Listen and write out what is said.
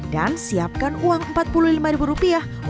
dan siapkan uang rp empat puluh lima